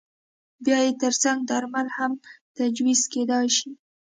بیا یې ترڅنګ درمل هم تجویز کېدای شي.